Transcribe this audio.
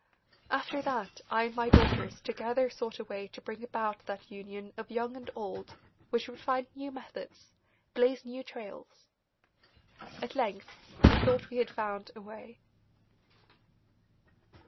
After that I and my daughters together sought a way to bring about that union of young and old which would find new methods, blaze new trails. At length we thought we had found a way.